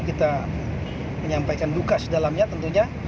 kita menyampaikan duka sedalamnya tentunya